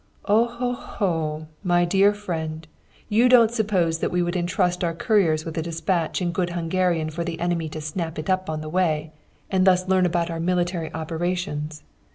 "'Oho ho! My dear friend, you don't suppose that we would entrust our couriers with a despatch in good Hungarian for the enemy to snap it up on the way, and thus learn all about our military operations.